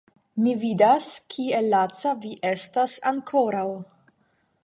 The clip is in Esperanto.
Mi vidas, kiel laca vi estas ankoraŭ.